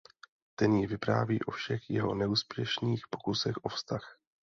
Ten jí vypráví o všech jeho neúspěšných pokusech o vztah.